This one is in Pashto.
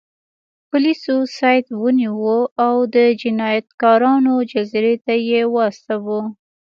پولیسو سید ونیو او د جنایتکارانو جزیرې ته یې واستاوه.